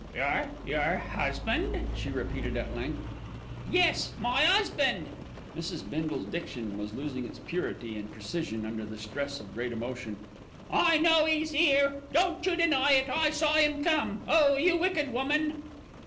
"Your your husband?" she repeated at length. "Yes, my 'usband." Mrs. Bindle's diction was losing its purity and precision under the stress of great emotion. "I know 'e's here. Don't you deny it. I saw 'im come. Oh, you wicked woman!"